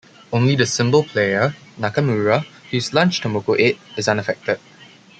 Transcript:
Only the cymbal player, Nakamura, whose lunch Tomoko ate, is unaffected.